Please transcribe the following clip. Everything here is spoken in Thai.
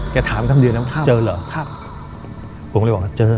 ถามคำเดียวนะเจอเหรอครับผมก็เลยบอกว่าเจอ